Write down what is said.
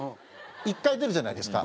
１回出るじゃないですか。